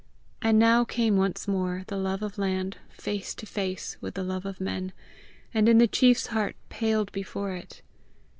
And now came once more the love of land face to face with the love of men, and in the chief's heart paled before it.